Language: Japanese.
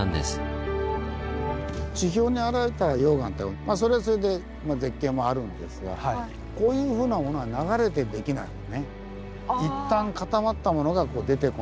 地表に現れた溶岩ってまあそれはそれで絶景もあるんですがこういうふうなものは流れて出来ないのね。